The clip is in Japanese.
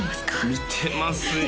見てますよ